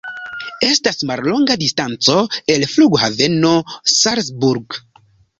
Estas mallonga distanco el Flughaveno Salzburg.